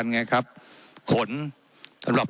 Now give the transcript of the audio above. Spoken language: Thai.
ว่าการกระทรวงบาทไทยนะครับ